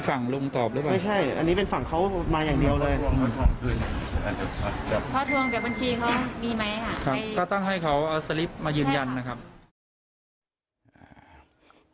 ก็ต้องให้เขาเอาสลิปมายืนยันนะครับ